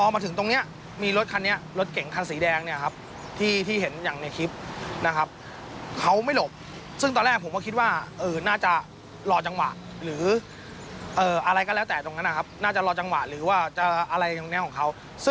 เดี๋ยวฟังเสียงพนักงานที่ขับรถฉุกเฉินนะคะ